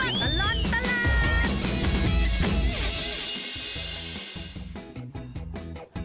ช่วงตลอดตลาด